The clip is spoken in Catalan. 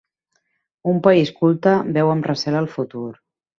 Un país culte veu amb recel el futur.